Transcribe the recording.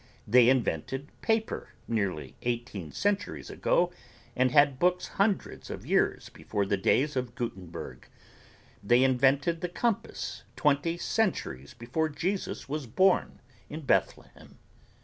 They invented paper nearly eighteen centuries ago and had books hundreds of years before the days of Gutenburg. They invented the compass twenty centuries before Jesus was born in Bethlehem.